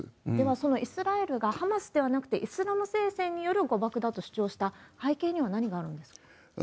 そのイスラエルがハマスではなくて、イスラム聖戦による誤爆だと主張した背景には、何があるんですか？